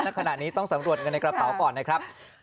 ขณะนี้ต้องสำรวจเงินในกระเป๋าก่อนนะครับ